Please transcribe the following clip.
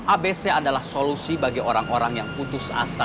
abc adalah solusi bagi orang orang yang putus asa